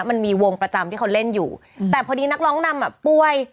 มันมีวงประจำที่เขาเล่นอยู่แต่พอดีนักร้องนำอ่ะป่วย